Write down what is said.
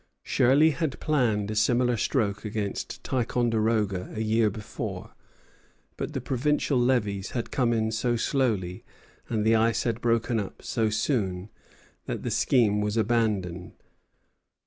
Shirley had planned a similar stroke against Ticonderoga a year before; but the provincial levies had come in so slowly, and the ice had broken up so soon, that the scheme was abandoned.